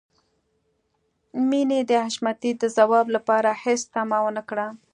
مينې د حشمتي د ځواب لپاره هېڅ تمه ونه کړه.